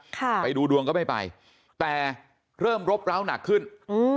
ไปดูดวงก็ไม่ไปแต่เริ่มรบร้าวหนักขึ้นอืม